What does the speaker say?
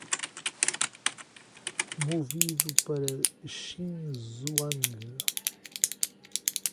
Movido para Xinzhuang